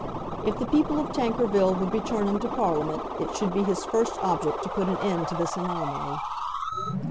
If the people of Tankerville would return him to Parliament it should be his first object to put an end to this anomaly.